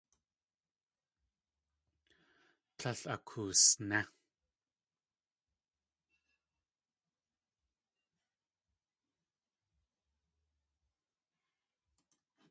Tlél akoosné.